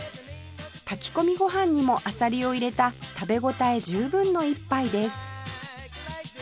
炊き込みご飯にもあさりを入れた食べ応え十分の一杯です